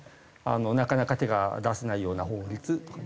なかなか手が出せないような法律とかで。